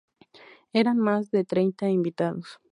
Eran más de treinta invitados.